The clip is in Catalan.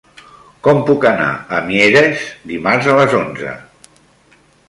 Com puc anar a Mieres dimarts a les onze?